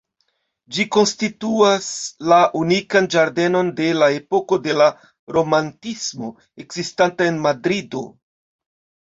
Ĝi konstituas la unikan ĝardenon de la epoko de la Romantismo ekzistanta en Madrido.